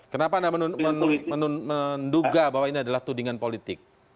kenapa anda menduga bahwa ini adalah tudingan politik